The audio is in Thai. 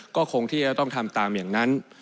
ก็คงที่จะต้องทำตามอย่างนั้น